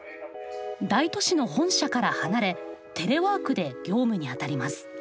大都市の本社から離れテレワークで業務に当たります。